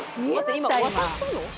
今渡したの？」